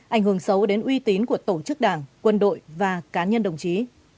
ảnh hưởng xấu đến uy tín của tổ chức đảng quân đội và cá nhân đồng chí